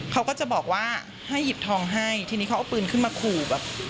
เขาก็จะบอกว่าให้หยิบทองให้ทีนี้เขาเอาปืนขึ้นมาขู่แบบ